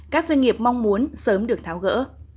các doanh nghiệp mong muốn sớm được tháo gỡ